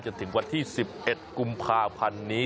จนถึงวันที่๑๑กุมภาพันธ์นี้